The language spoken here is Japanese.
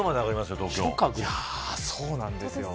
そうなんですよ。